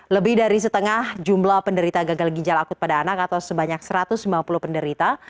lebih dari setengah jumlah penderita gagal ginjal akut pada anak atau sebanyak satu ratus lima puluh penderita